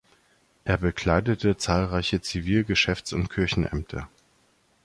Er bekleidete zahlreiche Zivil-, Geschäfts- und Kirchenämter.